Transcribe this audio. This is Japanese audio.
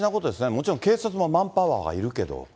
もちろん警察もマンパワーがいるけど。